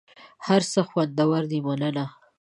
هر څه خوندور دي مننه .